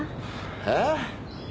えっ？